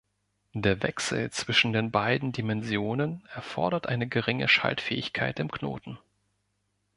Der Wechsel zwischen den beiden Dimensionen erfordert eine geringe Schaltfähigkeit im Knoten.